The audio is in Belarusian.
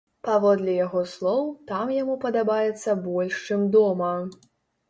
Паводле яго слоў, там яму падабаецца больш, чым дома.